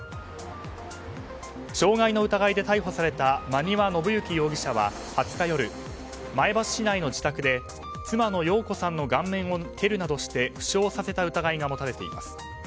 傷害の疑いで逮捕された摩庭信行容疑者は２０日夜、前橋市内の自宅で妻の陽子さんの顔面を蹴るなどして負傷させた疑いが持たれています。